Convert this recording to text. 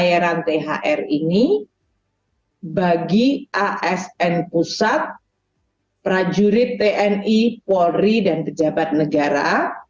yang terdiri dari satu asn pusat prajurit tni polri dan pejabat negara